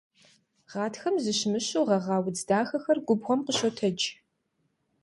Гъатхэм зэщымыщу гъэгъа удз дахэхэр губгъуэм къыщотэдж.